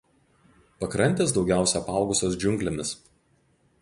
Pakrantės daugiausia apaugusios džiunglėmis.